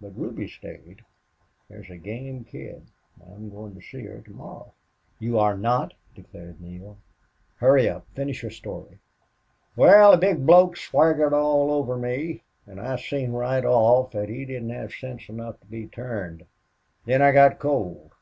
But Ruby stayed. There's a game kid, an' I'm goin' to see her to morrow." "You are not," declared Neale. "Hurry up. Finish your story." "Wal, the big bloke swaggered all over me, an' I seen right off thet he didn't have sense enough to be turned. Then I got cold.